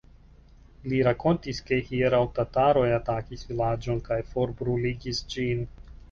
Li rakontis, ke hieraŭ tataroj atakis vilaĝon kaj forbruligis ĝin.